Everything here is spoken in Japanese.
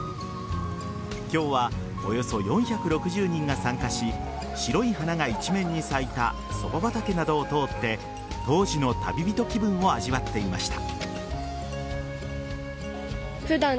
今日は、およそ４６０人が参加し白い花が一面に咲いたそば畑などを通って当時の旅人気分を味わっていました。